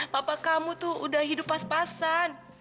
papa kamu tuh udah hidup pas pasan